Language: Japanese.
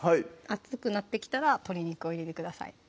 熱くなってきたら鶏肉を入れてください